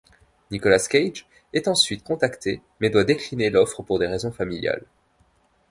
Nicolas Cage est ensuite contacté mais doit décliner l'offre pour des raisons familiales.